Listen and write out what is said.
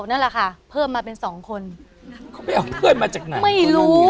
นั่นแหละค่ะเพิ่มมาเป็นสองคนเขาไปเอาเพื่อนมาจากไหนไม่รู้